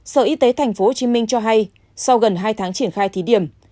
sở y tế tp hcm cho hay sau gần hai tháng triển khai thí điểm